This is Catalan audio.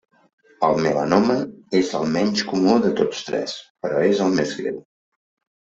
El melanoma és el menys comú de tots tres, però és el més greu.